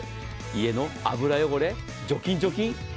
家の油汚れ、除菌。